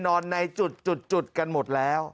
นอนในจุดกันหมดแล้ว